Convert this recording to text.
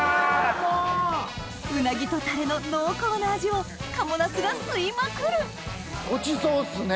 うなぎとタレの濃厚な味を賀茂なすが吸いまくるごちそうっすね。